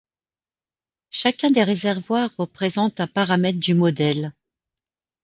Chacun des réservoirs représente un paramètre du modèle.